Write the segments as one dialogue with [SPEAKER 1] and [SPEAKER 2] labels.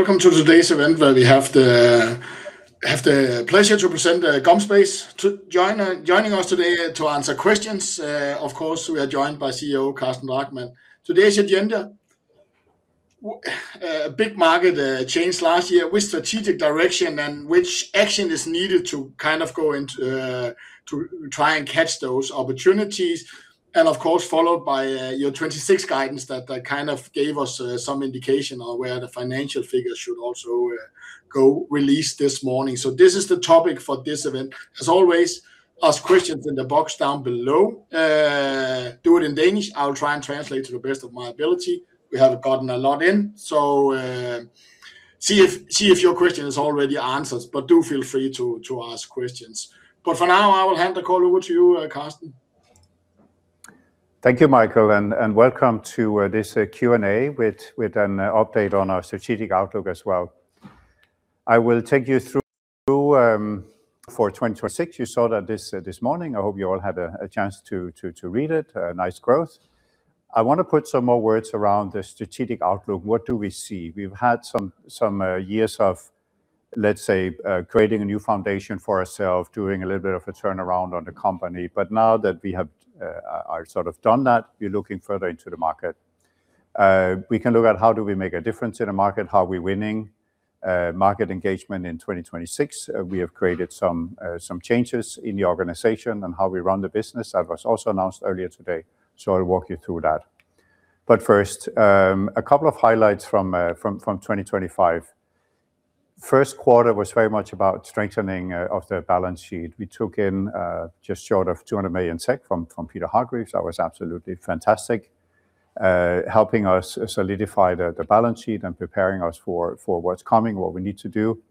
[SPEAKER 1] Welcome to today's event where we have the pleasure to present GomSpace joining us today to answer questions. Of course, we are joined by CEO Carsten Drachmann. Today's agenda: big market change last year, which strategic direction, and which action is needed to kind of go into to try and catch those opportunities. And of course, followed by your 2026 guidance that kind of gave us some indication on where the financial figures should also go released this morning. So this is the topic for this event. As always, ask questions in the box down below. Do it in Danish. I'll try and translate to the best of my ability. We have gotten a lot in. So see if your question is already answered, but do feel free to ask questions. But for now, I will hand the call over to you, Carsten.
[SPEAKER 2] Thank you, Michael, and welcome to this Q&A with an update on our strategic outlook as well. I will take you through for 2026. You saw that this morning. I hope you all had a chance to read it. Nice growth. I want to put some more words around the strategic outlook. What do we see? We've had some years of, let's say, creating a new foundation for ourselves, doing a little bit of a turnaround on the company. But now that we have sort of done that, we're looking further into the market. We can look at how do we make a difference in the market, how are we winning market engagement in 2026. We have created some changes in the organization and how we run the business. That was also announced earlier today. So I'll walk you through that. But first, a couple of highlights from 2025. First quarter was very much about strengthening of the balance sheet. We took in just short of 200 million from Peter Hargreaves. That was absolutely fantastic, helping us solidify the balance sheet and preparing us for what's coming, what we need to do.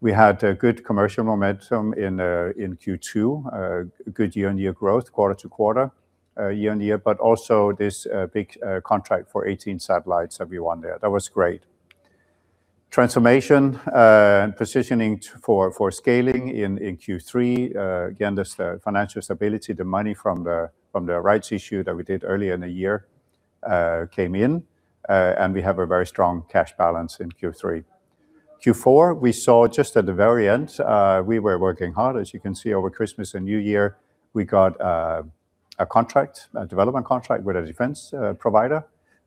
[SPEAKER 2] We had good commercial momentum in Q2, good year-on-year growth, quarter to quarter, year-on-year, but also this big contract for 18 satellites that we won there. That was great. Transformation and positioning for scaling in Q3. Again, there's the financial stability, the money from the rights issue that we did earlier in the year came in, and we have a very strong cash balance in Q3. Q4, we saw just at the very end, we were working hard, as you can see, over Christmas and New Year, we got a contract, a development contract with a defense provider.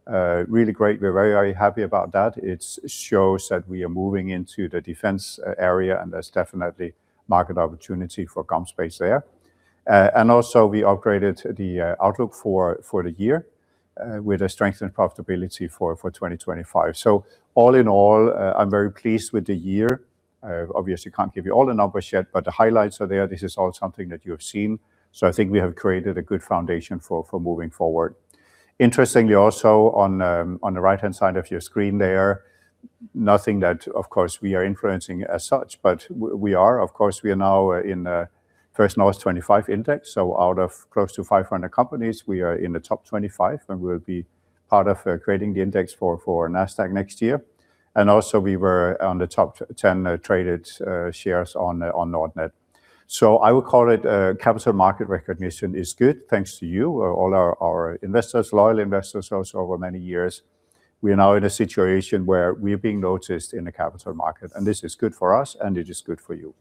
[SPEAKER 2] Really great. We're very, very happy about that. It shows that we are moving into the defense area, and there's definitely market opportunity for GomSpace there. And also, we upgraded the outlook for the year with a strengthened profitability for 2025. So all in all, I'm very pleased with the year. Obviously, I can't give you all the numbers yet, but the highlights are there. This is all something that you have seen. So I think we have created a good foundation for moving forward. Interestingly, also on the right-hand side of your screen there, noting that, of course, we are influencing as such, but we are, of course, now in the First North 25 Index. So out of close to 500 companies, we are in the top 25, and we'll be part of creating the index for Nasdaq next year. And also, we were on the top 10 traded shares on Nordnet. I would call it capital market recognition is good, thanks to you, all our investors, loyal investors also over many years. We are now in a situation where we are being noticed in the capital market, and this is good for us, and it is good for you.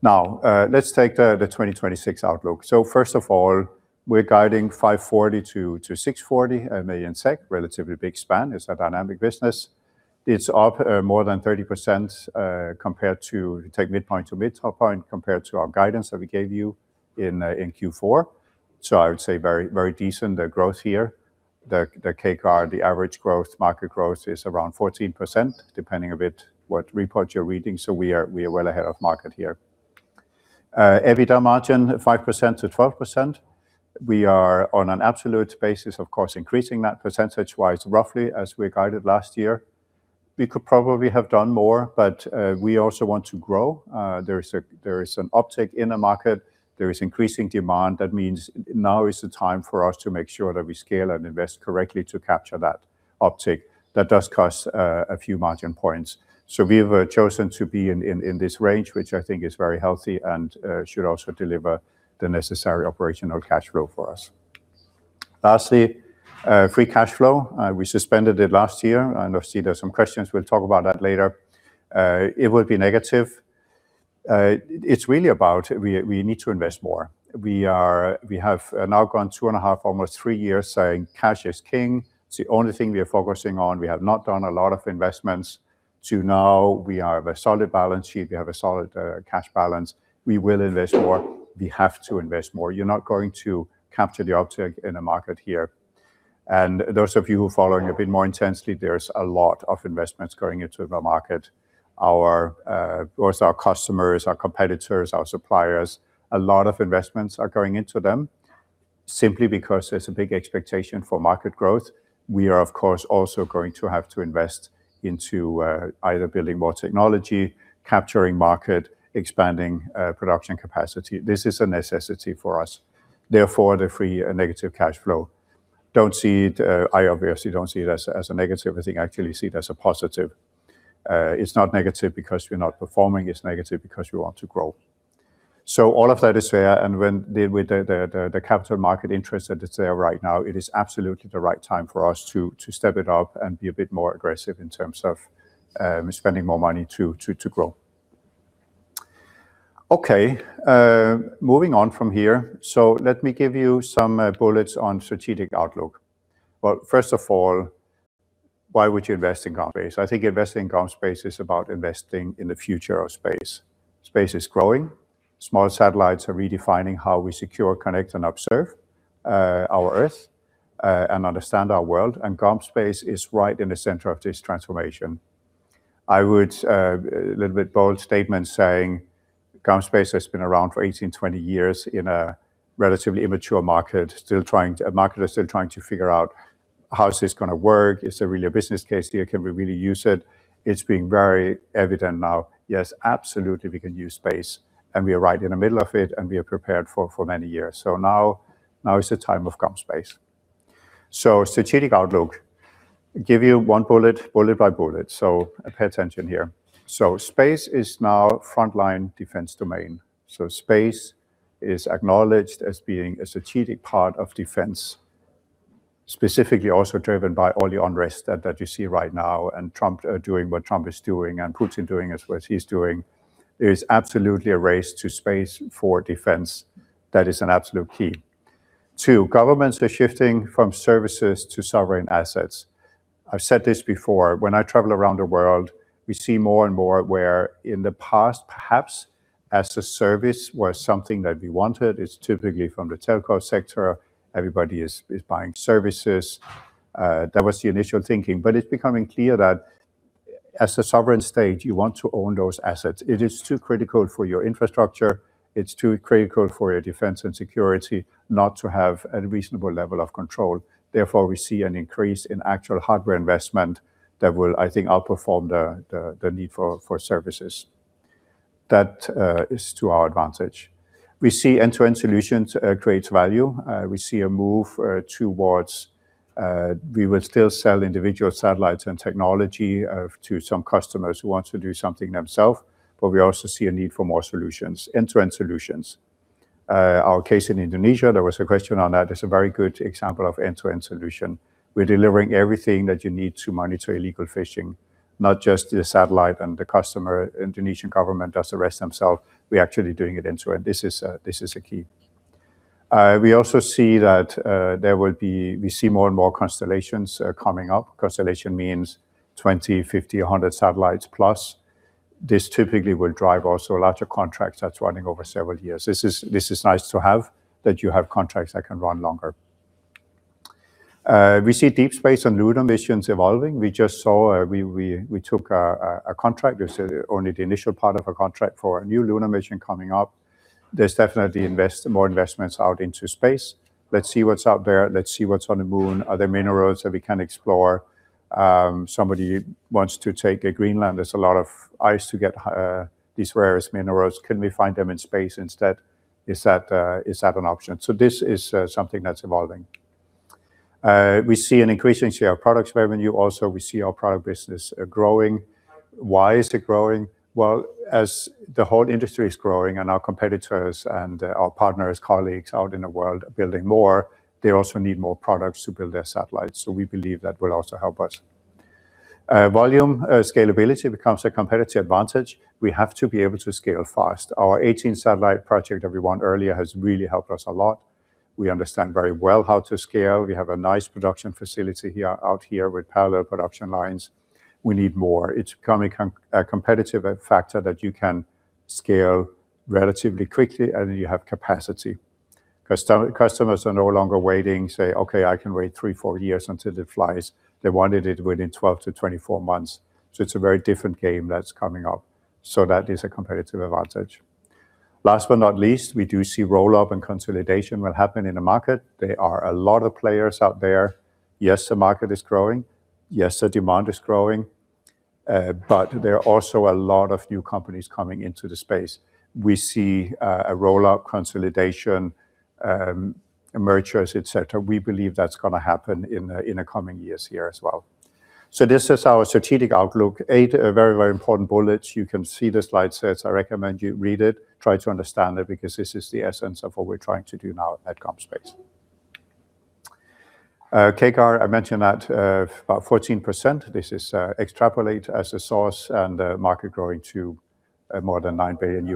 [SPEAKER 2] Now, let's take the 2026 outlook. First of all, we're guiding 540 million-640 million SEK, relatively big span. It's a dynamic business. It's up more than 30% compared to take midpoint to mid-point compared to our guidance that we gave you in Q4. I would say very decent growth here. The CAGR, the average growth, market growth is around 14%, depending a bit what report you're reading. We are well ahead of market here. EBITDA margin, 5%-12%. We are on an absolute basis, of course, increasing that percentage-wise, roughly as we guided last year. We could probably have done more, but we also want to grow. There is an uptick in the market. There is increasing demand. That means now is the time for us to make sure that we scale and invest correctly to capture that uptick. That does cost a few margin points. So we've chosen to be in this range, which I think is very healthy and should also deliver the necessary operational cash flow for us. Lastly, free cash flow. We suspended it last year, and I've seen there's some questions. We'll talk about that later. It will be negative. It's really about we need to invest more. We have now gone two and a half, almost three years saying cash is king. It's the only thing we are focusing on. We have not done a lot of investments to now. We have a solid balance sheet. We have a solid cash balance. We will invest more. We have to invest more. You're not going to capture the uptick in the market here and those of you who are following a bit more intensely, there's a lot of investments going into the market. Of course, our customers, our competitors, our suppliers, a lot of investments are going into them. Simply because there's a big expectation for market growth, we are, of course, also going to have to invest into either building more technology, capturing market, expanding production capacity. This is a necessity for us. Therefore, the negative free cash flow. Don't see it. I obviously don't see it as a negative. I think I actually see it as a positive. It's not negative because we're not performing. It's negative because we want to grow, so all of that is fair. When with the capital market interest that is there right now, it is absolutely the right time for us to step it up and be a bit more aggressive in terms of spending more money to grow. Okay, moving on from here. Let me give you some bullets on strategic outlook. First of all, why would you invest in GomSpace? I think investing in GomSpace is about investing in the future of space. Space is growing. Small satellites are redefining how we secure, connect, and observe our Earth and understand our world. And GomSpace is right in the center of this transformation. I would a little bit bold statement saying GomSpace has been around for 18, 20 years in a relatively immature market. A market is still trying to figure out how is this going to work? Is there really a business case there? Can we really use it? It's becoming very evident now. Yes, absolutely, we can use space, and we are right in the middle of it, and we are prepared for many years, so now is the time of GomSpace. So strategic outlook. Give you one bullet, bullet by bullet. So pay attention here. So space is now frontline defense domain. So space is acknowledged as being a strategic part of defense, specifically also driven by all the unrest that you see right now and Trump doing what Trump is doing and Putin doing as well as he's doing. There is absolutely a race to space for defense that is an absolute key. Two, governments are shifting from services to sovereign assets. I've said this before. When I travel around the world, we see more and more where in the past, perhaps as a service was something that we wanted, it's typically from the telco sector. Everybody is buying services. That was the initial thinking. But it's becoming clear that as a sovereign state, you want to own those assets. It is too critical for your infrastructure. It's too critical for your defense and security not to have a reasonable level of control. Therefore, we see an increase in actual hardware investment that will, I think, outperform the need for services. That is to our advantage. We see end-to-end solutions create value. We see a move towards we will still sell individual satellites and technology to some customers who want to do something themselves, but we also see a need for more solutions, end-to-end solutions. Our case in Indonesia, there was a question on that. It's a very good example of end-to-end solution. We're delivering everything that you need to monitor illegal fishing, not just the satellite and the customer. Indonesian government does the rest themselves. We're actually doing it end-to-end. This is a key. We also see that there will be more and more constellations coming up. Constellation means 20, 50, 100 satellites plus. This typically will drive also a larger contract that's running over several years. This is nice to have that you have contracts that can run longer. We see deep space and lunar missions evolving. We just saw we took a contract. It was only the initial part of a contract for a new lunar mission coming up. There's definitely more investments out into space. Let's see what's out there. Let's see what's on the moon. Are there minerals that we can explore? Somebody wants to take a Greenland. There's a lot of ice to get these rarest minerals. Can we find them in space instead? Is that an option? So this is something that's evolving. We see an increasing share of products revenue. Also, we see our product business growing. Why is it growing? Well, as the whole industry is growing and our competitors and our partners, colleagues out in the world are building more, they also need more products to build their satellites. So we believe that will also help us. Volume scalability becomes a competitive advantage. We have to be able to scale fast. Our 18-satellite project that we won earlier has really helped us a lot. We understand very well how to scale. We have a nice production facility out here with parallel production lines. We need more. It's becoming a competitive factor that you can scale relatively quickly and you have capacity. Customers are no longer waiting, say, "Okay, I can wait three, four years until it flies." They wanted it within 12 months-24 months. So it's a very different game that's coming up. So that is a competitive advantage. Last but not least, we do see roll-up and consolidation will happen in the market. There are a lot of players out there. Yes, the market is growing. Yes, the demand is growing. But there are also a lot of new companies coming into the space. We see a roll-up, consolidation, mergers, etc. We believe that's going to happen in the coming years here as well. So this is our strategic outlook. Eight very, very important bullets. You can see the slide sets. I recommend you read it, try to understand it, because this is the essence of what we're trying to do now at GomSpace. CAGR, I mentioned that about 14%. This is extrapolated as the space and market growing to more than $9 billion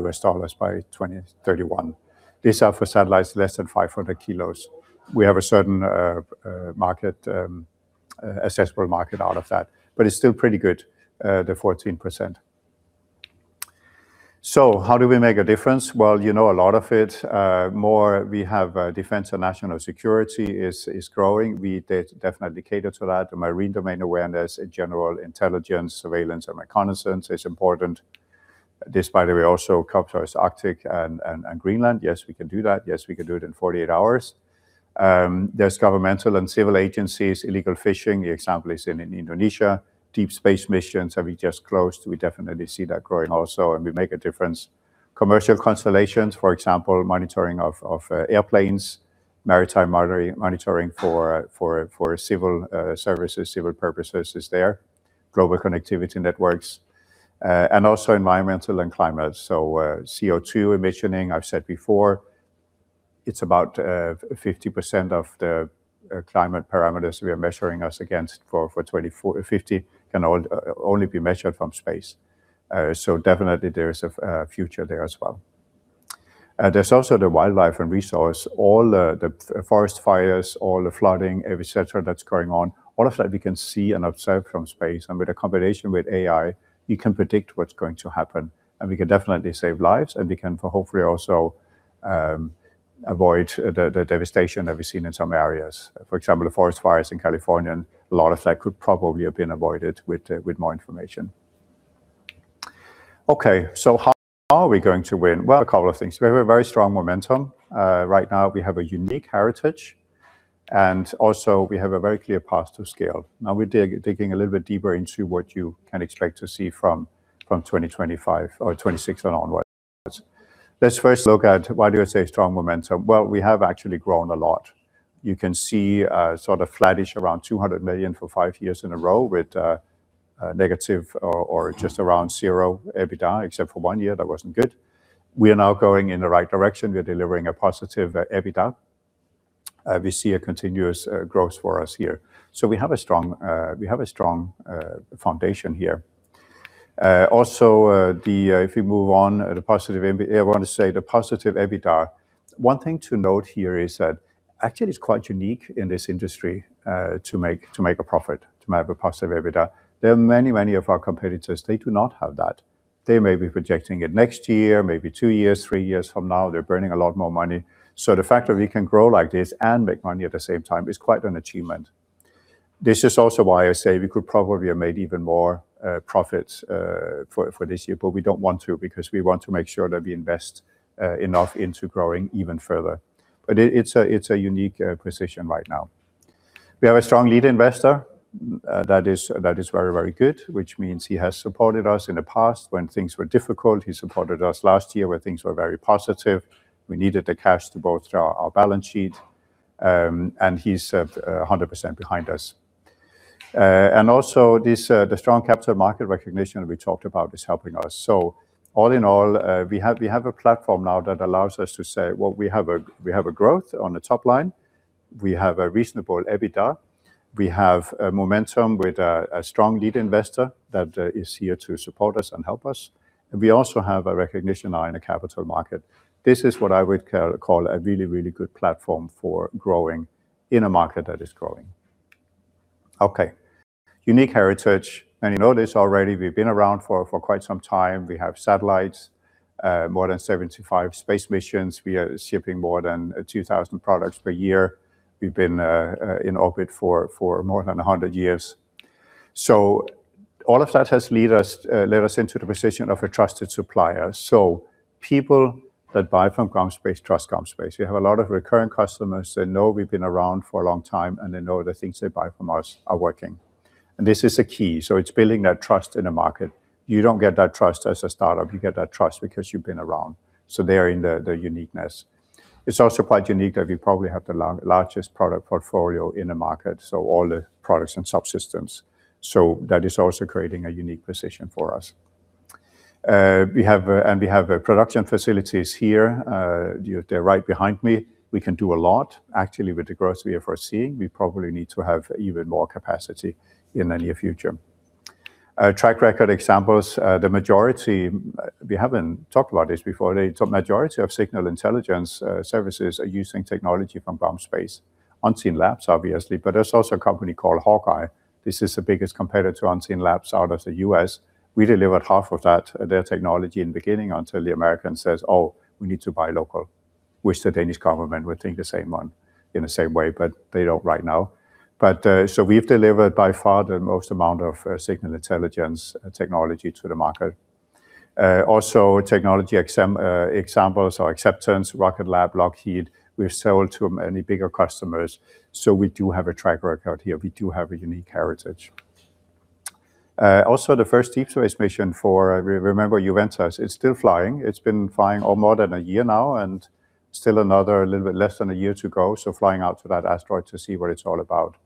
[SPEAKER 2] by 2031. These are for satellites less than 500 kilos. We have a certain addressable market out of that, but it's still pretty good, the 14%. So how do we make a difference? Well, you know a lot of it. Moreover we have defense and national security is growing. We definitely cater to that. The Marine Domain Awareness, in general, intelligence, surveillance, and reconnaissance is important. This, by the way, also covers Arctic and Greenland. Yes, we can do that. Yes, we can do it in 48 hours. There's governmental and civil agencies, illegal fishing. The example is in Indonesia. Deep Space missions we have just closed. We definitely see that growing also, and we make a difference. Commercial constellations, for example, monitoring of airplanes, maritime monitoring for civil services, civil purposes is there. Global connectivity networks. And also environmental and climate. So CO2 emissions, I've said before, it's about 50% of the climate parameters we are measuring us against for 2050 can only be measured from space. So definitely, there is a future there as well. There's also the wildlife and resource, all the forest fires, all the flooding, etc., that's going on. All of that we can see and observe from space. And with a combination with AI, we can predict what's going to happen. And we can definitely save lives, and we can hopefully also avoid the devastation that we've seen in some areas. For example, the forest fires in California, a lot of that could probably have been avoided with more information. Okay, so how are we going to win? A couple of things. We have a very strong momentum. Right now, we have a unique heritage. And also, we have a very clear path to scale. Now, we're digging a little bit deeper into what you can expect to see from 2025 or 2026 and onwards. Let's first look at why do I say strong momentum? We have actually grown a lot. You can see sort of flattish around 200 million for five years in a row with negative or just around zero EBITDA, except for one year that wasn't good. We are now going in the right direction. We are delivering a positive EBITDA. We see a continuous growth for us here. So we have a strong foundation here. Also, if we move on, I want to say the positive EBITDA. One thing to note here is that actually, it's quite unique in this industry to make a profit, to have a positive EBITDA. There are many, many of our competitors. They do not have that. They may be projecting it next year, maybe two years, three years from now. They're burning a lot more money. So the fact that we can grow like this and make money at the same time is quite an achievement. This is also why I say we could probably have made even more profits for this year, but we don't want to because we want to make sure that we invest enough into growing even further. But it's a unique position right now. We have a strong lead investor. That is very, very good, which means he has supported us in the past when things were difficult. He supported us last year where things were very positive. We needed the cash to bolster our balance sheet, and he's 100% behind us. Also, the strong capital market recognition we talked about is helping us. So all in all, we have a platform now that allows us to say, well, we have a growth on the top line. We have a reasonable EBITDA. We have momentum with a strong lead investor that is here to support us and help us. We also have a recognition line in the capital market. This is what I would call a really, really good platform for growing in a market that is growing. Okay, unique heritage. Many know this already. We've been around for quite some time. We have satellites, more than 75 space missions. We are shipping more than 2,000 products per year. We've been in orbit for more than 100 years. So all of that has led us into the position of a trusted supplier. So people that buy from GomSpace trust GomSpace. We have a lot of recurring customers. They know we've been around for a long time, and they know the things they buy from us are working. And this is a key. So it's building that trust in the market. You don't get that trust as a startup. You get that trust because you've been around. So they're in the uniqueness. It's also quite unique that we probably have the largest product portfolio in the market, so all the products and subsystems. So that is also creating a unique position for us. And we have production facilities here. They're right behind me. We can do a lot, actually, with the growth we are foreseeing. We probably need to have even more capacity in the near future. Track record examples, the majority we haven't talked about this before. The majority of signal intelligence services are using technology from GomSpace. Unseenlabs, obviously, but there's also a company called HawkEye 360. This is the biggest competitor to Unseenlabs out of the U.S. We delivered half of that, their technology in the beginning until the American says, "Oh, we need to buy local." Wish the Danish government would think the same one in the same way, but they don't right now. But so we've delivered by far the most amount of signal intelligence technology to the market. Also, technology examples or acceptance, Rocket Lab, Lockheed. We've sold to many bigger customers. So we do have a track record here. We do have a unique heritage. Also, the first deep space mission for, remember, Juventas, it's still flying. It's been flying for more than a year now and still another little bit less than a year to go, so flying out to that asteroid to see what it's all about.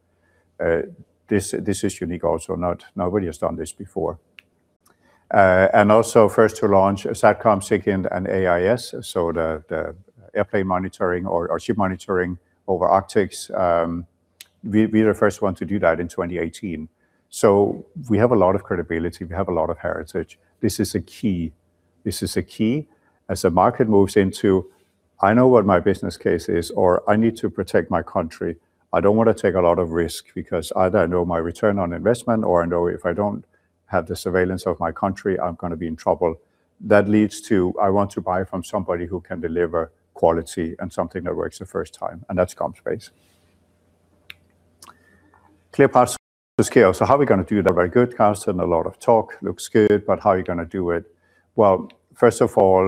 [SPEAKER 2] This is unique also. Nobody has done this before, and also first to launch SatCom, SIGINT, and AIS, so the airplane monitoring or ship monitoring over Arctic. We were the first ones to do that in 2018, so we have a lot of credibility. We have a lot of heritage. This is a key. This is a key. As the market moves into, I know what my business case is, or I need to protect my country. I don't want to take a lot of risk because either I know my return on investment or I know if I don't have the surveillance of my country, I'm going to be in trouble. That leads to, I want to buy from somebody who can deliver quality and something that works the first time. And that's GomSpace. Clear path to scale. So how are we going to do that? Very good, Carsten. A lot of talk looks good, but how are you going to do it? Well, first of all,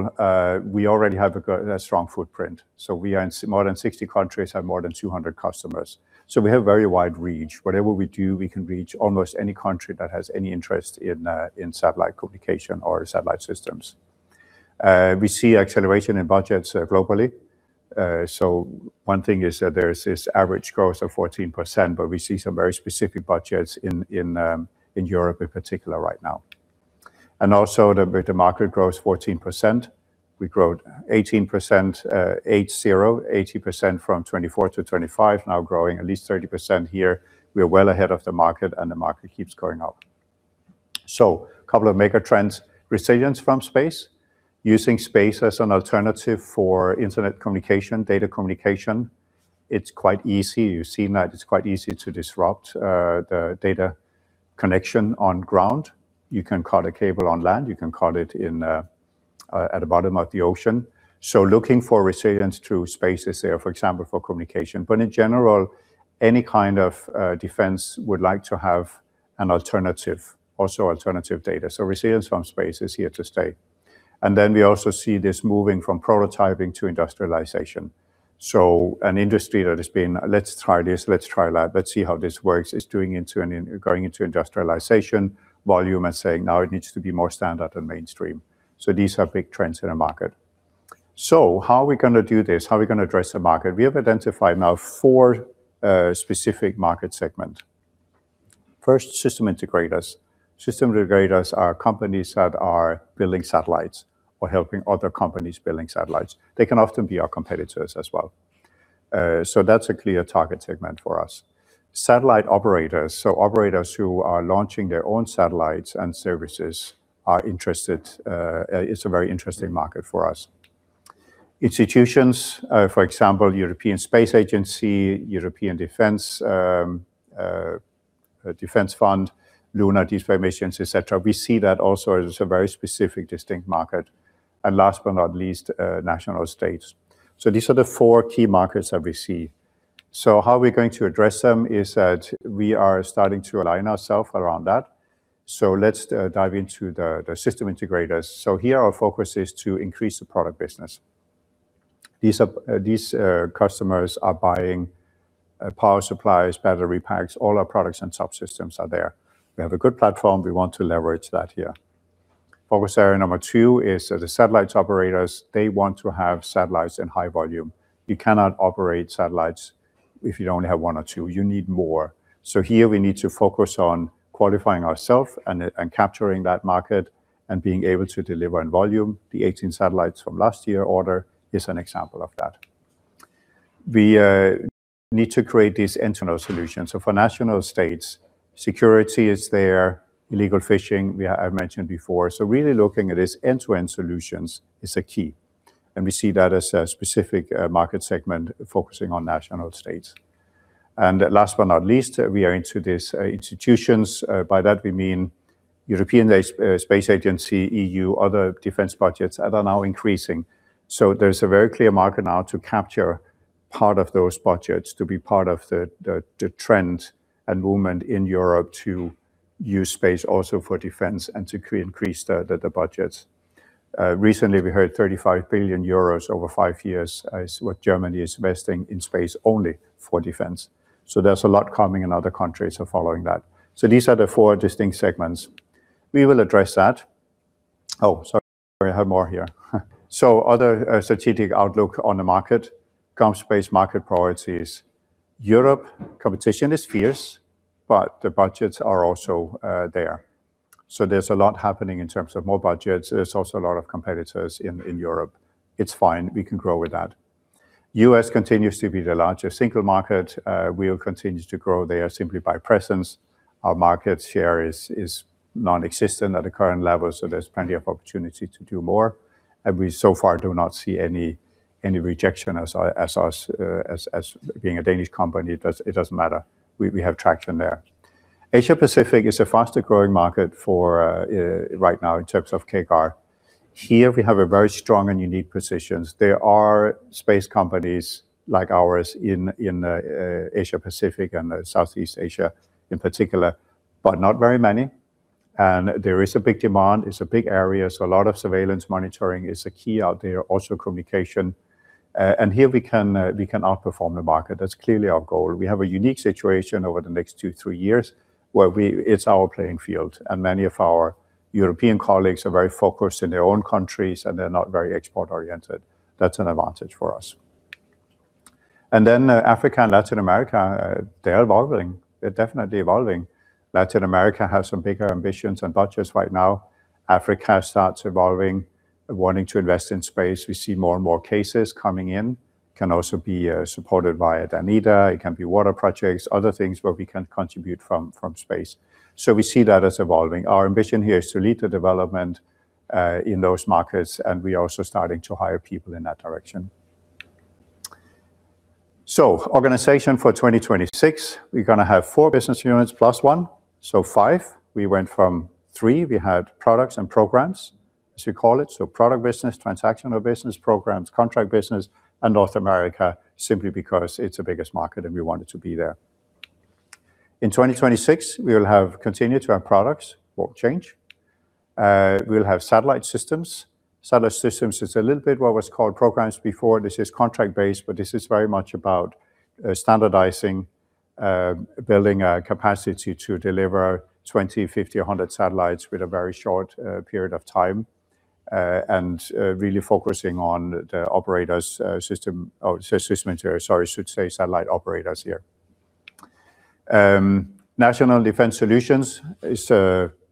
[SPEAKER 2] we already have a strong footprint. So we are in more than 60 countries and more than 200 customers. So we have a very wide reach. Whatever we do, we can reach almost any country that has any interest in satellite communication or satellite systems. We see acceleration in budgets globally. So one thing is that there is this average growth of 14%, but we see some very specific budgets in Europe in particular right now. And also, with the market growth, 14%. We grow 18%, 80%-80% from 2024 to 2025, now growing at least 30% here. We are well ahead of the market, and the market keeps going up. A couple of mega trends. Resilience from space. Using space as an alternative for internet communication, data communication. It's quite easy. You've seen that it's quite easy to disrupt the data connection on ground. You can cut a cable on land. You can cut it at the bottom of the ocean, so looking for resilience to space is there, for example, for communication. But in general, any kind of defense would like to have an alternative, also alternative data. So resilience from space is here to stay, then we also see this moving from prototyping to industrialization. So an industry that has been, let's try this, let's try that, let's see how this works, is going into industrialization volume and saying, now it needs to be more standard and mainstream, so these are big trends in the market. How are we going to do this? How are we going to address the market? We have identified now four specific market segments. First, system integrators. System integrators are companies that are building satellites or helping other companies building satellites. They can often be our competitors as well, so that's a clear target segment for us. Satellite operators, so operators who are launching their own satellites and services are interested. It's a very interesting market for us. Institutions, for example, European Space Agency, European Defence Fund, Lunar Deep Space Missions, etc. We see that also as a very specific, distinct market, and last but not least, nation states. These are the four key markets that we see. How are we going to address them? That is that we are starting to align ourselves around that. Let's dive into the system integrators. Here, our focus is to increase the product business. These customers are buying power supplies, battery packs. All our products and subsystems are there. We have a good platform. We want to leverage that here. Focus area number two is the satellite operators. They want to have satellites in high volume. You cannot operate satellites if you only have one or two. You need more. Here, we need to focus on qualifying ourselves and capturing that market and being able to deliver in volume. The 18 satellites from last year's order is an example of that. We need to create these international solutions. For national states, security is there. Illegal fishing, I mentioned before. So really looking at these end-to-end solutions is a key. And we see that as a specific market segment focusing on nation states. And last but not least, we are into these institutions. By that, we mean European Space Agency, EU, other defense budgets that are now increasing. So there's a very clear market now to capture part of those budgets to be part of the trend and movement in Europe to use space also for defense and to increase the budgets. Recently, we heard 35 billion euros over five years is what Germany is investing in space only for defense. So there's a lot coming, and other countries are following that. So these are the four distinct segments. We will address that. Oh, sorry, I have more here. So other strategic outlook on the market, GomSpace market priorities. European competition is fierce, but the budgets are also there. So there's a lot happening in terms of more budgets. There's also a lot of competitors in Europe. It's fine. We can grow with that. U.S. continues to be the largest single market. We will continue to grow there simply by presence. Our market share is nonexistent at the current level, so there's plenty of opportunity to do more. And we so far do not see any rejection as us being a Danish company. It doesn't matter. We have traction there. Asia-Pacific is a faster growing market right now in terms of CAGR. Here, we have a very strong and unique position. There are space companies like ours in Asia-Pacific and Southeast Asia in particular, but not very many. And there is a big demand. It's a big area. A lot of surveillance monitoring is key out there, also communication. And here, we can outperform the market. That's clearly our goal. We have a unique situation over the next two, three years where it's our playing field. And many of our European colleagues are very focused in their own countries, and they're not very export-oriented. That's an advantage for us. And then Africa and Latin America, they're evolving. They're definitely evolving. Latin America has some bigger ambitions and budgets right now. Africa starts evolving, wanting to invest in space. We see more and more cases coming in. It can also be supported by Danida. It can be water projects, other things where we can contribute from space. So we see that as evolving. Our ambition here is to lead the development in those markets, and we are also starting to hire people in that direction. So, organization for 2026, we're going to have four business units plus one, so five. We went from three. We had products and programs, as we call it. So, product business, transactional business, programs, contract business, and North America simply because it's the biggest market, and we wanted to be there. In 2026, we will continue to have products or change. We will have satellite systems. Satellite systems is a little bit what was called programs before. This is contract-based, but this is very much about standardizing, building capacity to deliver 20, 50, 100 satellites with a very short period of time and really focusing on the operators' system, or system material, sorry, should say satellite operators here. National Defense Solutions is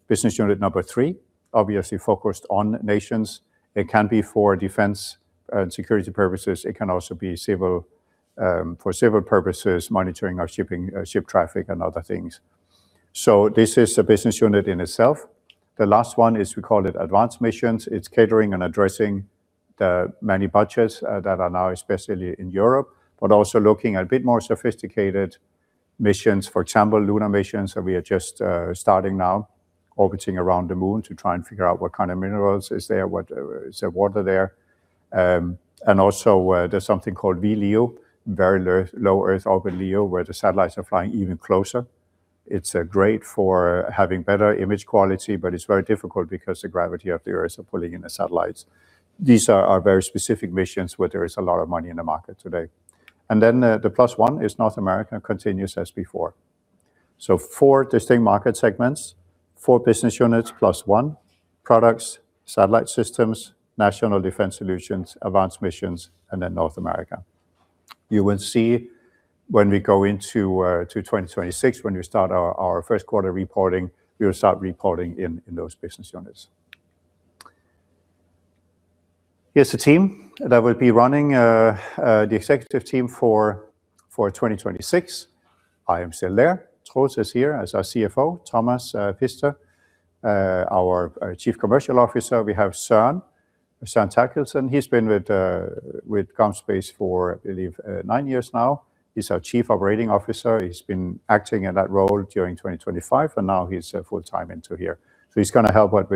[SPEAKER 2] business unit number three, obviously focused on nations. It can be for defense and security purposes. It can also be for civil purposes, monitoring our shipping ship traffic and other things. So this is a business unit in itself. The last one is we call it advanced missions. It's catering and addressing the many budgets that are now especially in Europe, but also looking at a bit more sophisticated missions, for example, lunar missions that we are just starting now, orbiting around the moon to try and figure out what kind of minerals is there, what is the water there. And also, there's something called VLEO, very low Earth orbit LEO, where the satellites are flying even closer. It's great for having better image quality, but it's very difficult because the gravity of the Earth is pulling in the satellites. These are very specific missions where there is a lot of money in the market today. And then the plus one is North America continues as before. So four distinct market segments, four business units plus one: products, satellite systems, national defense solutions, advanced missions, and then North America. You will see when we go into 2026, when we start our first quarter reporting, we will start reporting in those business units. Here's the team that will be running the executive team for 2026. I am still there. Troels is here as our CFO, Thomas Pfister, our Chief Commercial Officer. We have Søren, Søren Therkildsen. He's been with GomSpace for, I believe, nine years now. He's our Chief Operating Officer. He's been acting in that role during 2025, and now he's full-time into here. So he's going to help us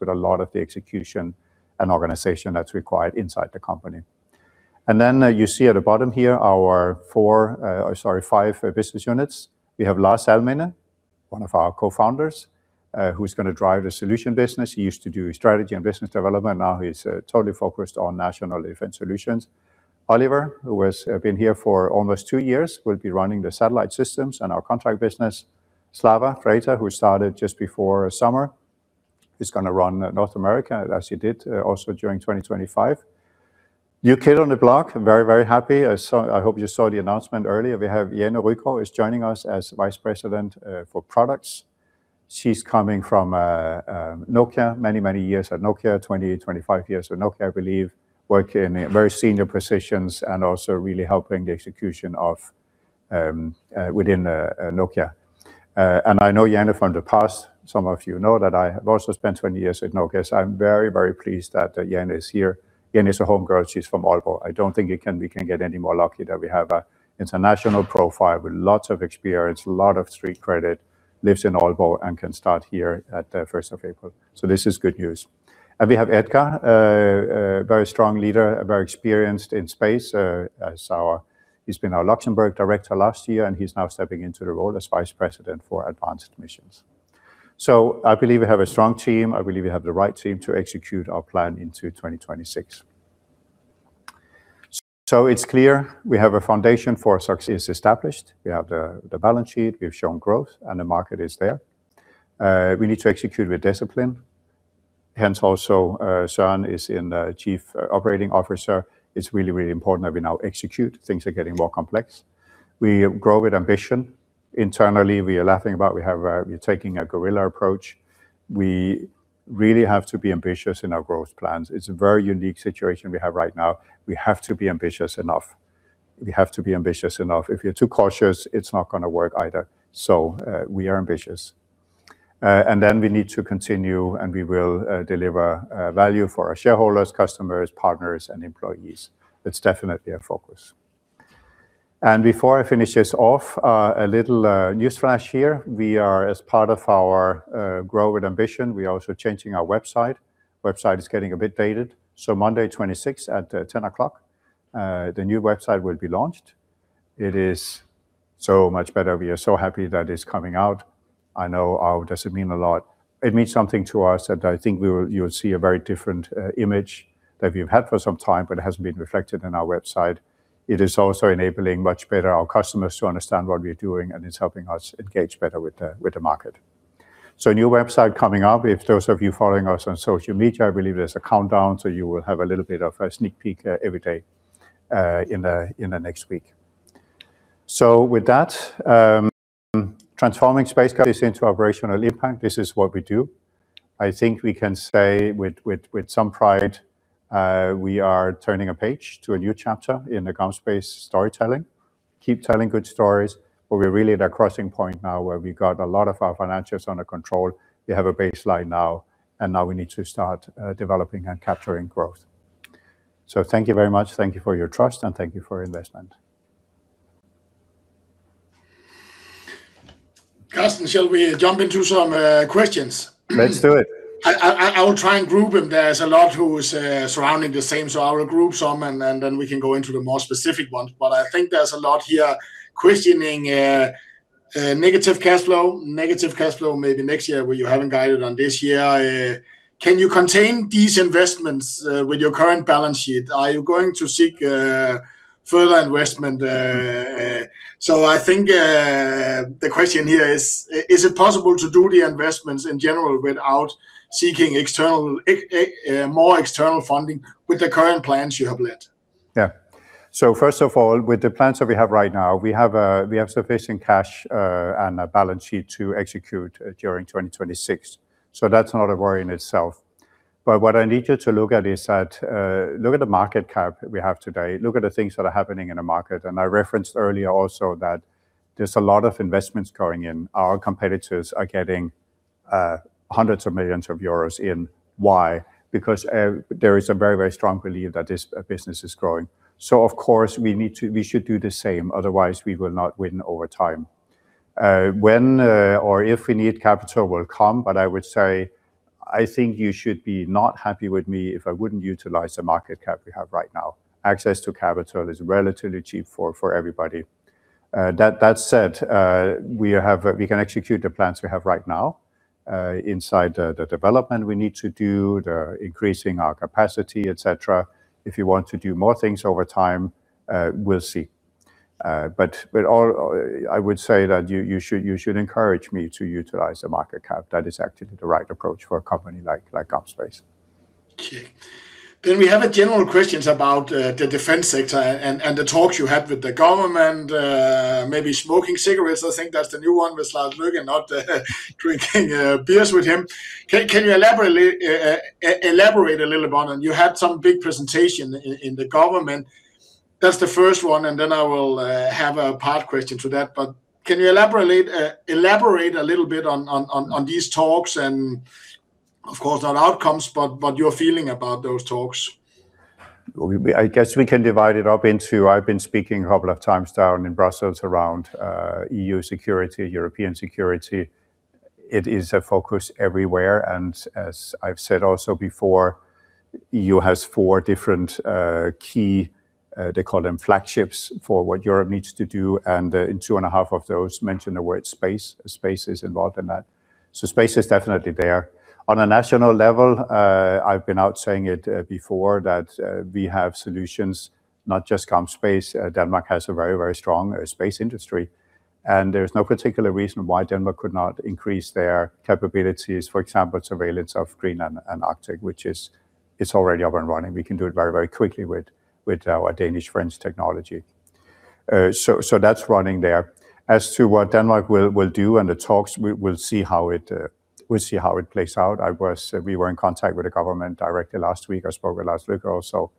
[SPEAKER 2] with a lot of the execution and organization that's required inside the company. And then you see at the bottom here our four, sorry, five business units. We have Lars Alminde, one of our co-founders, who's going to drive the solution business. He used to do strategy and business development. Now he's totally focused on national defense solutions. Oliver, who has been here for almost two years, will be running the satellite systems and our contract business. Slava Frayter, who started just before summer, is going to run North America as he did also during 2025. New kid on the block, very, very happy. I hope you saw the announcement earlier. We have Jane Rygaard is joining us as vice president for products. She's coming from Nokia, many, many years at Nokia, 20, 25 years at Nokia, I believe, working in very senior positions and also really helping the execution within Nokia. And I know Jane from the past. Some of you know that I have also spent 20 years at Nokia, so I'm very, very pleased that Jane is here. Jane is a homegirl. She's from Aalborg. I don't think we can get any more lucky that we have an international profile with lots of experience, a lot of street credit, lives in Aalborg, and can start here at the 1st of April, so this is good news, and we have Edgar, a very strong leader, very experienced in space. He's been our Luxembourg director last year, and he's now stepping into the role as Vice President for Advanced Missions, so I believe we have a strong team. I believe we have the right team to execute our plan into 2026, so it's clear we have a foundation for success is established. We have the balance sheet. We've shown growth, and the market is there. We need to execute with discipline. Hence, also Søren is our Chief Operating Officer. It's really, really important that we now execute. Things are getting more complex. We grow with ambition. Internally, we are laughing about we're taking a guerrilla approach. We really have to be ambitious in our growth plans. It's a very unique situation we have right now. We have to be ambitious enough. We have to be ambitious enough. If you're too cautious, it's not going to work either. So we are ambitious, and then we need to continue, and we will deliver value for our shareholders, customers, partners, and employees. It's definitely a focus, and before I finish this off, a little news flash here. We are, as part of our grow with ambition, also changing our website. The website is getting a bit dated. Monday, 26th at 10:00 A.M., the new website will be launched. It is so much better. We are so happy that it's coming out. I know it doesn't mean a lot. It means something to us that I think you'll see a very different image that we've had for some time, but it hasn't been reflected in our website. It is also enabling much better our customers to understand what we're doing, and it's helping us engage better with the market. New website coming up. If those of you following us on social media, I believe there's a countdown, so you will have a little bit of a sneak peek every day in the next week. With that, transforming space into operational impact, this is what we do. I think we can say with some pride, we are turning a page to a new chapter in the GomSpace storytelling. Keep telling good stories, but we're really at a crossing point now where we've got a lot of our financials under control. We have a baseline now, and now we need to start developing and capturing growth, so thank you very much. Thank you for your trust, and thank you for your investment.
[SPEAKER 1] Carsten, shall we jump into some questions?
[SPEAKER 2] Let's do it.
[SPEAKER 1] I will try and group them. There's a lot who is surrounding the same. So I will group some, and then we can go into the more specific ones. But I think there's a lot here questioning negative cash flow, negative cash flow maybe next year where you haven't guided on this year. Can you contain these investments with your current balance sheet? Are you going to seek further investment? So I think the question here is, is it possible to do the investments in general without seeking more external funding with the current plans you have led?
[SPEAKER 2] Yeah. So, first of all, with the plans that we have right now, we have sufficient cash and a balance sheet to execute during 2026. So that's not a worry in itself, but what I need you to look at is that. Look at the market cap we have today. Look at the things that are happening in the market, and I referenced earlier also that there's a lot of investments going in. Our competitors are getting hundreds of millions euros in. Why? Because there is a very, very strong belief that this business is growing. So of course, we should do the same. Otherwise, we will not win over time. When or if we need capital will come, but I would say I think you should be not happy with me if I wouldn't utilize the market cap we have right now. Access to capital is relatively cheap for everybody. That said, we can execute the plans we have right now inside the development we need to do, the increasing our capacity, et cetera. If you want to do more things over time, we'll see. But I would say that you should encourage me to utilize the market cap. That is actually the right approach for a company like GomSpace.
[SPEAKER 1] Okay. Then we have a general question about the defense sector and the talks you had with the government, maybe smoking cigarettes. I think that's the new one with Lars Løkke Rasmussen, not drinking beers with him. Can you elaborate a little bit on it? You had some big presentation in the government. That's the first one. And then I will have a part question to that. But can you elaborate a little bit on these talks and, of course, not outcomes, but what you're feeling about those talks?
[SPEAKER 2] I guess we can divide it up into, I've been speaking a couple of times down in Brussels around EU security, European security. It is a focus everywhere, and as I've said also before, EU has four different key, they call them flagships for what Europe needs to do, and in two and a half of those, mention the word space. Space is involved in that, so space is definitely there. On a national level, I've been out saying it before that we have solutions, not just GomSpace. Denmark has a very, very strong space industry, and there's no particular reason why Denmark could not increase their capabilities, for example, surveillance of Greenland and Arctic, which is already up and running. We can do it very, very quickly with our Danish-French technology, so that's running there. As to what Denmark will do and the talks, we'll see how it plays out. We were in contact with the government directly last week. I spoke with Lars Løkke Rasmussen also.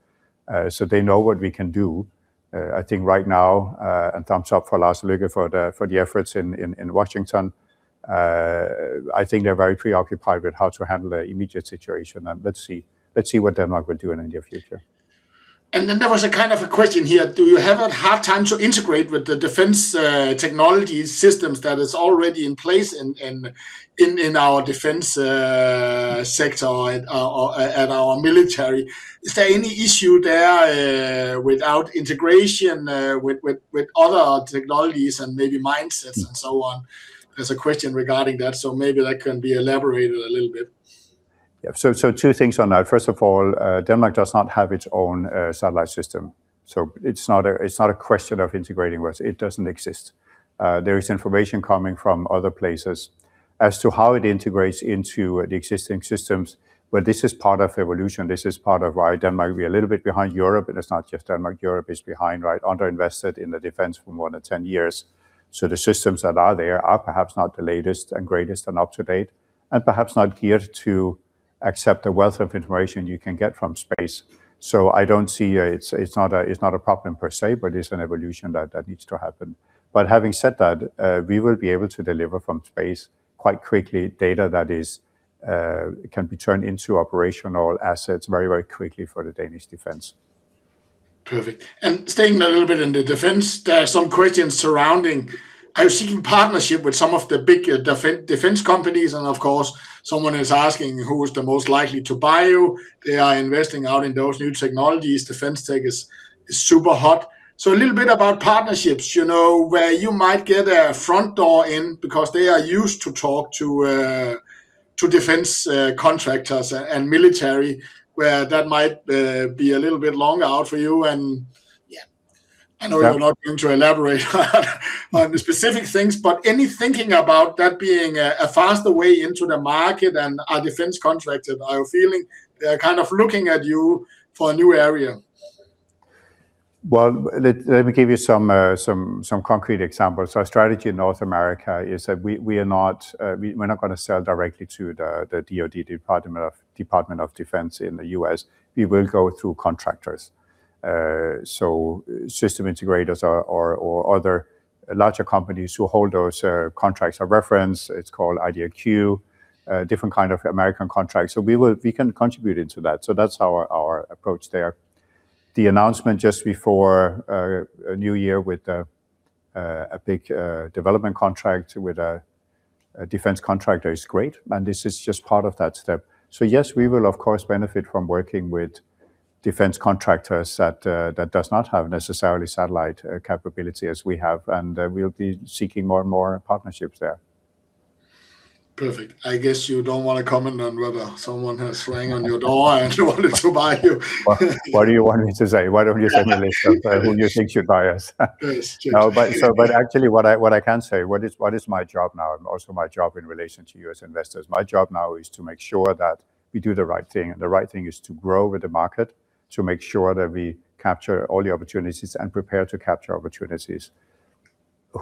[SPEAKER 2] So they know what we can do. I think right now, and thumbs up for Lars Løkke Rasmussen for the efforts in Washington, I think they're very preoccupied with how to handle the immediate situation, and let's see what Denmark will do in the near future.
[SPEAKER 1] And then there was a kind of a question here. Do you have a hard time to integrate with the defense technology systems that are already in place in our defense sector at our military? Is there any issue there without integration with other technologies and maybe mindsets and so on? There's a question regarding that. So maybe that can be elaborated a little bit.
[SPEAKER 2] Yeah. So two things on that. First of all, Denmark does not have its own satellite system. So it's not a question of integrating with. It doesn't exist. There is information coming from other places as to how it integrates into the existing systems. But this is part of evolution. This is part of why Denmark will be a little bit behind Europe. And it's not just Denmark. Europe is behind, right? Underinvested in the defense for more than 10 years. So the systems that are there are perhaps not the latest and greatest and up to date, and perhaps not geared to accept the wealth of information you can get from space. So I don't see. It's not a problem per se, but it's an evolution that needs to happen. But having said that, we will be able to deliver from space quite quickly data that can be turned into operational assets very, very quickly for the Danish defense.
[SPEAKER 1] Perfect. And staying a little bit in the defense, there are some questions surrounding seeking partnership with some of the big defense companies. And of course, someone is asking who is the most likely to buy you. They are investing out in those new technologies. Defense tech is super hot. So a little bit about partnerships, where you might get a front door in because they are used to talk to defense contractors and military, where that might be a little bit longer out for you. And yeah, I know you're not going to elaborate on specific things, but any thinking about that being a faster way into the market and our defense contractors, are you feeling they're kind of looking at you for a new area?
[SPEAKER 2] Let me give you some concrete examples. Our strategy in North America is that we are not going to sell directly to the DoD, Department of Defense, in the U.S. We will go through contractors. System integrators or other larger companies who hold those contracts are referenced. It's called IDIQ, different kind of American contracts. We can contribute into that. That's our approach there. The announcement just before New Year with a big development contract with a defense contractor is great. This is just part of that step. Yes, we will, of course, benefit from working with defense contractors that do not have necessarily satellite capability as we have. We'll be seeking more and more partnerships there.
[SPEAKER 1] Perfect. I guess you don't want to comment on whether someone has hung a sign on your door and wanted to buy you.
[SPEAKER 2] What do you want me to say? Why don't you send me a list of who you think should buy us?
[SPEAKER 1] Yes.
[SPEAKER 2] But actually, what I can say, what is my job now, and also my job in relation to you as investors, my job now is to make sure that we do the right thing. And the right thing is to grow with the market to make sure that we capture all the opportunities and prepare to capture opportunities.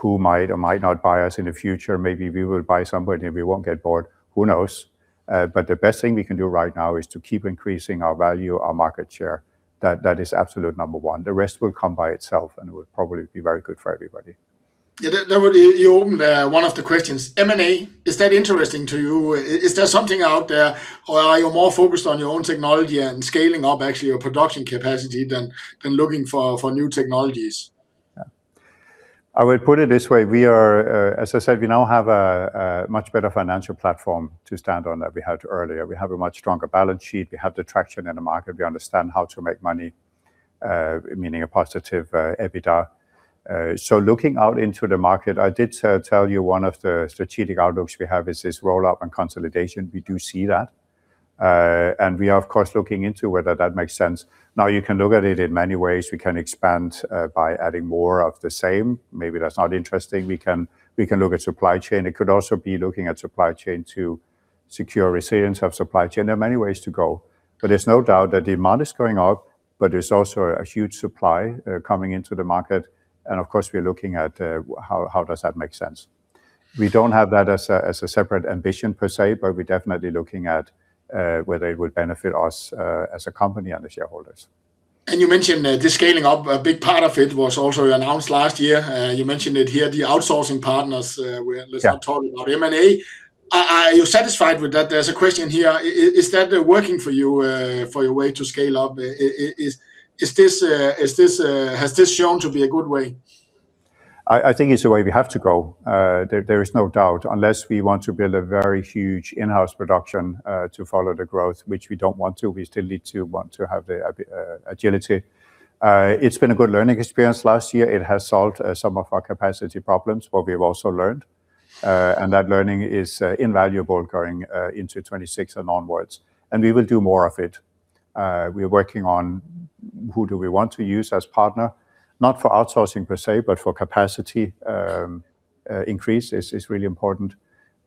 [SPEAKER 2] Who might or might not buy us in the future? Maybe we will buy somebody and we won't get bored. Who knows? But the best thing we can do right now is to keep increasing our value, our market share. That is absolute number one. The rest will come by itself and will probably be very good for everybody.
[SPEAKER 1] Yeah. You opened one of the questions. M&A, is that interesting to you? Is there something out there or are you more focused on your own technology and scaling up actually your production capacity than looking for new technologies?
[SPEAKER 2] Yeah. I would put it this way. As I said, we now have a much better financial platform to stand on than we had earlier. We have a much stronger balance sheet. We have the traction in the market. We understand how to make money, meaning a positive EBITDA. So looking out into the market, I did tell you one of the strategic outlooks we have is this roll-up and consolidation. We do see that. And we are, of course, looking into whether that makes sense. Now you can look at it in many ways. We can expand by adding more of the same. Maybe that's not interesting. We can look at supply chain. It could also be looking at supply chain to secure resilience of supply chain. There are many ways to go. But there's no doubt that demand is going up, but there's also a huge supply coming into the market. And of course, we're looking at how does that make sense? We don't have that as a separate ambition per se, but we're definitely looking at whether it would benefit us as a company and the shareholders.
[SPEAKER 1] You mentioned the scaling up. A big part of it was also announced last year. You mentioned it here, the outsourcing partners. Let's not talk about M&A. Are you satisfied with that? There's a question here. Is that working for you for your way to scale up? Has this shown to be a good way?
[SPEAKER 2] I think it's the way we have to go. There is no doubt. Unless we want to build a very huge in-house production to follow the growth, which we don't want to, we still need to want to have the agility. It's been a good learning experience last year. It has solved some of our capacity problems, but we have also learned, and that learning is invaluable going into 2026 and onwards, and we will do more of it. We are working on who do we want to use as partner, not for outsourcing per se, but for capacity increase is really important,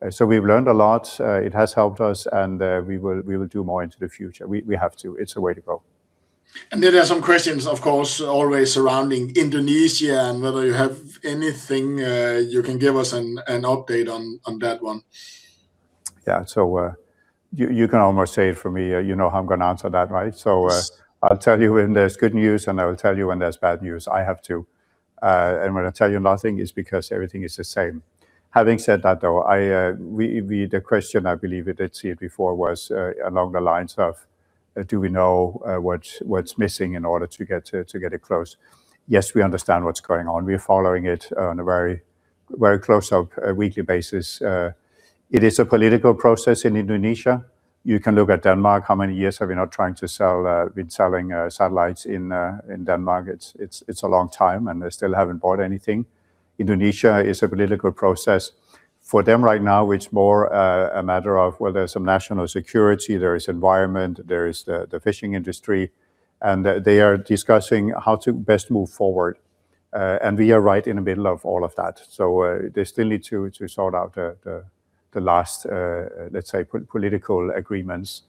[SPEAKER 2] so we've learned a lot. It has helped us, and we will do more into the future. We have to. It's the way to go.
[SPEAKER 1] There are some questions, of course, always surrounding Indonesia and whether you have anything you can give us an update on that one.
[SPEAKER 2] Yeah. So you can almost say it for me. You know how I'm going to answer that, right? So I'll tell you when there's good news, and I will tell you when there's bad news. I have to. And when I tell you nothing is because everything is the same. Having said that, though, the question I believe we did see it before was along the lines of, do we know what's missing in order to get it closed? Yes, we understand what's going on. We're following it on a very close-up weekly basis. It is a political process in Indonesia. You can look at Denmark. How many years have we not been trying to sell satellites in Denmark? It's a long time, and they still haven't bought anything. Indonesia is a political process. For them right now, it's more a matter of, well, there's some national security. There is environment. There is the fishing industry, and they are discussing how to best move forward, and we are right in the middle of all of that, so they still need to sort out the last, let's say, political agreements.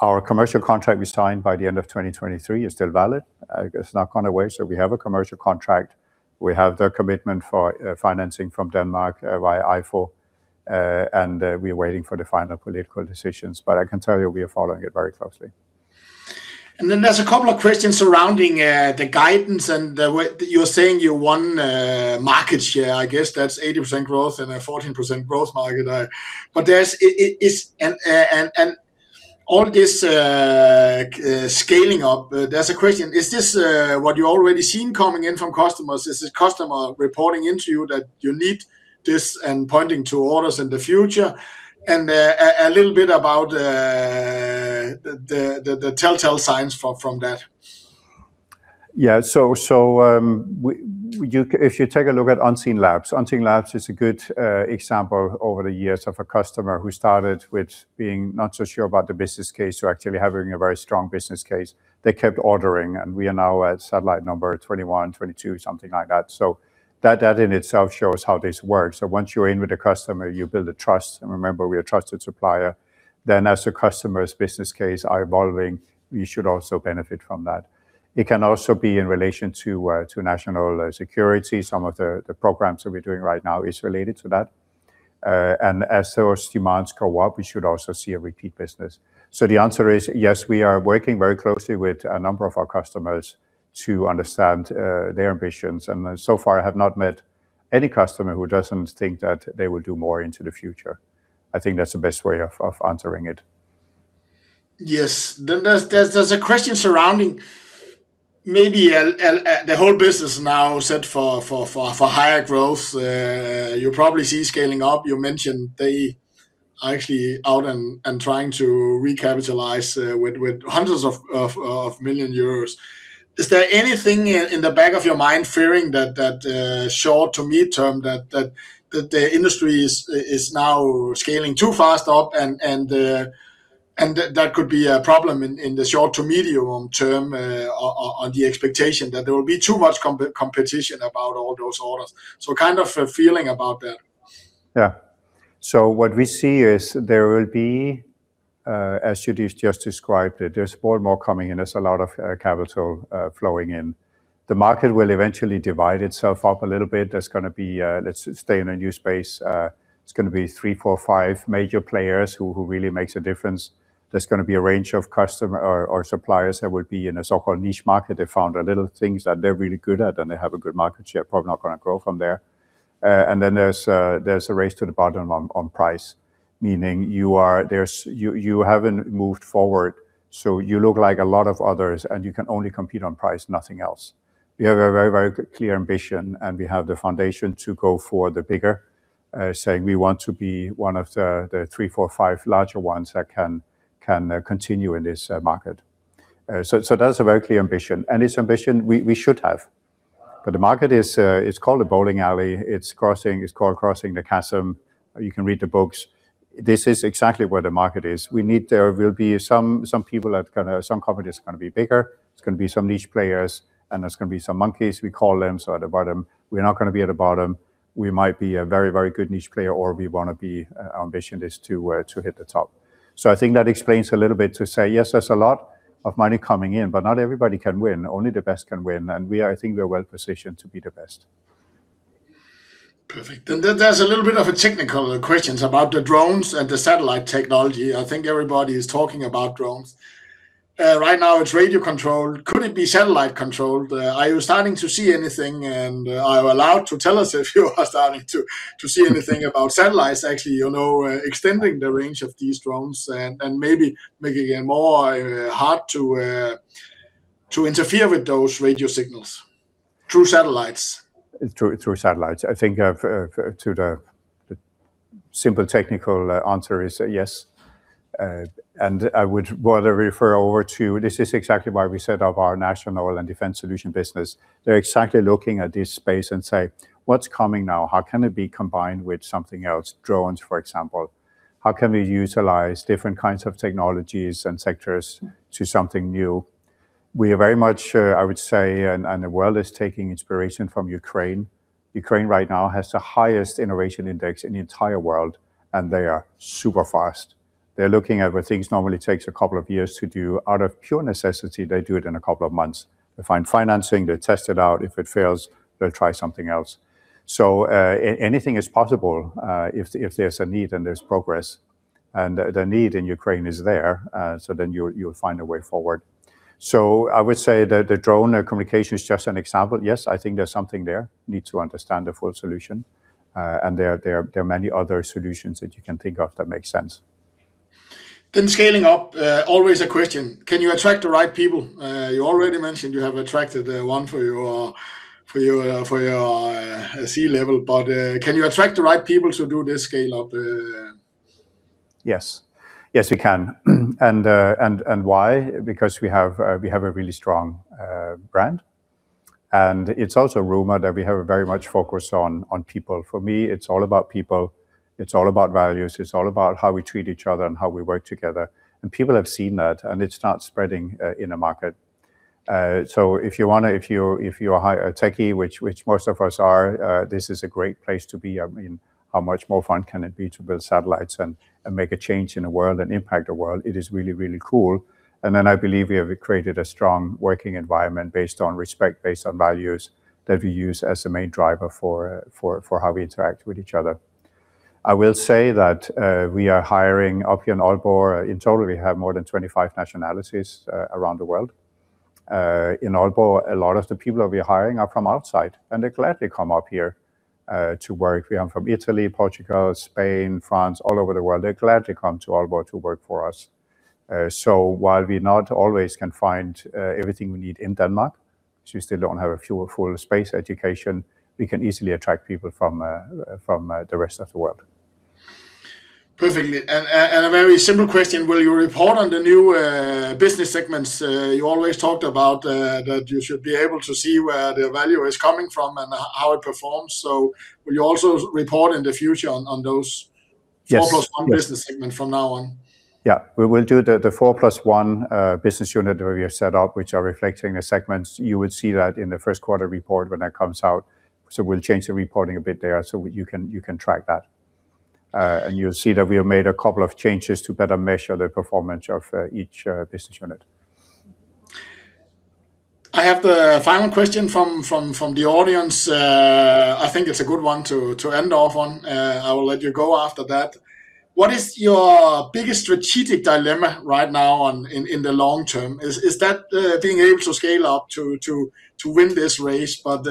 [SPEAKER 2] Our commercial contract we signed by the end of 2023 is still valid. It's not gone away, so we have a commercial contract. We have the commitment for financing from Denmark via IFU, and we're waiting for the final political decisions, but I can tell you we are following it very closely.
[SPEAKER 1] And then there's a couple of questions surrounding the guidance. And you're saying you won market share. I guess that's 80% growth in a 14% growth market. But all this scaling up, there's a question. Is this what you already seen coming in from customers? Is it customer reporting into you that you need this and pointing to orders in the future? And a little bit about the telltale signs from that.
[SPEAKER 2] Yeah. So if you take a look at Unseenlabs, Unseenlabs is a good example over the years of a customer who started with being not so sure about the business case, so actually having a very strong business case. They kept ordering, and we are now at satellite number 21, 22, something like that. So that in itself shows how this works. Once you're in with the customer, you build a trust. And remember, we are a trusted supplier. Then as the customer's business case are evolving, we should also benefit from that. It can also be in relation to national security. Some of the programs that we're doing right now is related to that. And as those demands go up, we should also see a repeat business. So the answer is, yes, we are working very closely with a number of our customers to understand their ambitions. And so far, I have not met any customer who doesn't think that they will do more into the future. I think that's the best way of answering it.
[SPEAKER 1] Yes. There's a question surrounding maybe the whole business now set for higher growth. You'll probably see scaling up. You mentioned they are actually out and trying to recapitalize with hundreds of millions euros. Is there anything in the back of your mind fearing that short- to mid-term that the industry is now scaling too fast up? And that could be a problem in the short to medium term on the expectation that there will be too much competition about all those orders. So kind of a feeling about that.
[SPEAKER 2] Yeah. So what we see is there will be, as you just described, there's more and more coming in. There's a lot of capital flowing in. The market will eventually divide itself up a little bit. There's going to be, let's stay in a new space. It's going to be three, four, five major players who really make a difference. There's going to be a range of customers or suppliers that will be in a so-called niche market. They found a little things that they're really good at, and they have a good market share. Probably not going to grow from there. And then there's a race to the bottom on price, meaning you haven't moved forward. So you look like a lot of others, and you can only compete on price, nothing else. We have a very, very clear ambition, and we have the foundation to go for the bigger, saying we want to be one of the three, four, five larger ones that can continue in this market. So that's a very clear ambition. And it's ambition we should have. But the market is called a bowling alley. It's called Crossing the Chasm. You can read the books. This is exactly where the market is. There will be some people that kind of some companies are going to be bigger. It's going to be some niche players, and there's going to be some monkeys, we call them. So at the bottom, we're not going to be at the bottom. We might be a very, very good niche player, or we want to be. Our ambition is to hit the top. So I think that explains a little bit to say, yes, there's a lot of money coming in, but not everybody can win. Only the best can win. And I think we're well positioned to be the best.
[SPEAKER 1] Perfect, and then there's a little bit of a technical question about the drones and the satellite technology. I think everybody is talking about drones. Right now, it's radio-controlled. Could it be satellite-controlled? Are you starting to see anything? And are you allowed to tell us if you are starting to see anything about satellites, actually extending the range of these drones and maybe making it more hard to interfere with those radio signals through satellites?
[SPEAKER 2] Through satellites. I think the simple technical answer is yes. I would rather refer over to this. This is exactly why we set up our national and defense solution business. They're exactly looking at this space and say, what's coming now? How can it be combined with something else? Drones, for example. How can we utilize different kinds of technologies and sectors to something new? We are very much, I would say, and the world is taking inspiration from Ukraine. Ukraine right now has the highest innovation index in the entire world, and they are super fast. They're looking at where things normally take a couple of years to do. Out of pure necessity, they do it in a couple of months. They find financing. They test it out. If it fails, they'll try something else. So anything is possible if there's a need and there's progress. And the need in Ukraine is there. So then you'll find a way forward. So I would say that the drone communication is just an example. Yes, I think there's something there. Need to understand the full solution. And there are many other solutions that you can think of that make sense.
[SPEAKER 1] Then scaling up, always a question. Can you attract the right people? You already mentioned you have attracted one for your C-level. But can you attract the right people to do this scale-up?
[SPEAKER 2] Yes. Yes, we can. And why? Because we have a really strong brand. And it's also rumored that we have a very much focus on people. For me, it's all about people. It's all about values. It's all about how we treat each other and how we work together. And people have seen that, and it's not spreading in the market. So if you want to, if you're techie, which most of us are, this is a great place to be. I mean, how much more fun can it be to build satellites and make a change in the world and impact the world? It is really, really cool. And then I believe we have created a strong working environment based on respect, based on values that we use as a main driver for how we interact with each other. I will say that we are hiring up here in Aalborg. In total, we have more than 25 nationalities around the world. In Aalborg, a lot of the people that we are hiring are from outside, and they gladly come up here to work. We have from Italy, Portugal, Spain, France, all over the world. They gladly come to Aalborg to work for us. So while we not always can find everything we need in Denmark, we still don't have a full space education, we can easily attract people from the rest of the world.
[SPEAKER 1] Perfect. And a very simple question. Will you report on the new business segments? You always talked about that you should be able to see where the value is coming from and how it performs. So will you also report in the future on those 4 plus 1 business segments from now on?
[SPEAKER 2] Yeah. We will do the 4 plus 1 business unit that we have set up, which are reflecting the segments. You will see that in the first quarter report when that comes out, so we'll change the reporting a bit there so you can track that, and you'll see that we have made a couple of changes to better measure the performance of each business unit.
[SPEAKER 1] I have the final question from the audience. I think it's a good one to end off on. I will let you go after that. What is your biggest strategic dilemma right now in the long term? Is that being able to scale up to win this race? But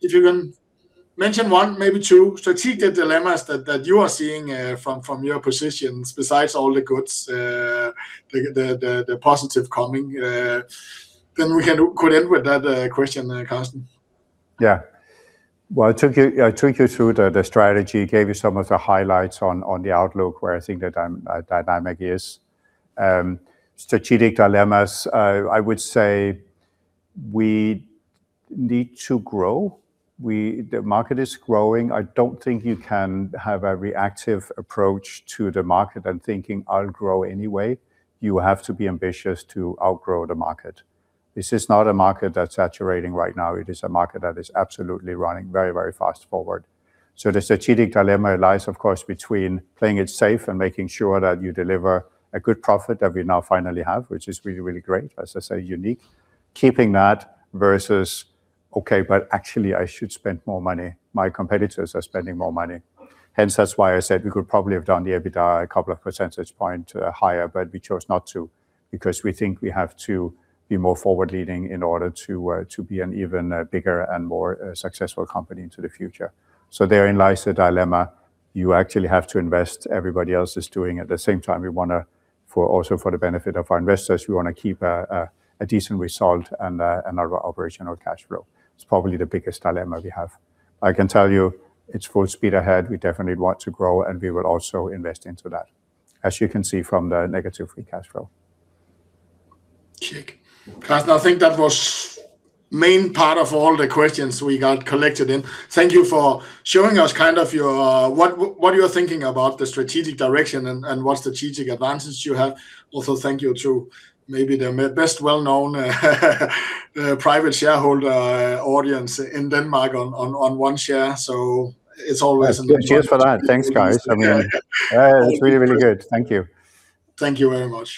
[SPEAKER 1] if you can mention one, maybe two strategic dilemmas that you are seeing from your positions, besides all the goods, the positive coming, then we could end with that question, Carsten.
[SPEAKER 2] Yeah. Well, I took you through the strategy, gave you some of the highlights on the outlook, where I think the dynamic is. Strategic dilemmas, I would say we need to grow. The market is growing. I don't think you can have a reactive approach to the market and thinking, I'll grow anyway. You have to be ambitious to outgrow the market. This is not a market that's saturating right now. It is a market that is absolutely running very, very fast forward. So the strategic dilemma lies, of course, between playing it safe and making sure that you deliver a good profit that we now finally have, which is really, really great, as I say, unique. Keeping that versus, okay, but actually, I should spend more money. My competitors are spending more money. Hence, that's why I said we could probably have done the EBITDA a couple of percentage points higher, but we chose not to because we think we have to be more forward-leaning in order to be an even bigger and more successful company into the future, so therein lies the dilemma. You actually have to invest. Everybody else is doing it. At the same time, we want to, also for the benefit of our investors, we want to keep a decent result and our operational cash flow. It's probably the biggest dilemma we have. I can tell you it's full speed ahead. We definitely want to grow, and we will also invest into that, as you can see from the negative free cash flow.
[SPEAKER 1] Check. Carsten, I think that was the main part of all the questions we got collected in. Thank you for showing us kind of what you're thinking about the strategic direction and what strategic advantages you have. Also, thank you to maybe the best well-known private shareholder audience in Denmark on one share, so it's always an honor.
[SPEAKER 2] Cheers for that. Thanks, guys. I mean, it's really, really good. Thank you.
[SPEAKER 1] Thank you very much.